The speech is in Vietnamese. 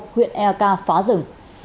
huyện ek phá rừng